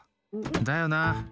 だよな！